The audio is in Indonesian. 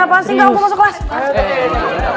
apaan sih gak mau masuk kelas